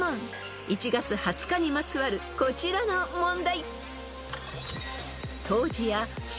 ［１月２０日にまつわるこちらの問題］